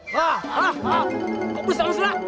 hah hah hah kok pedes banget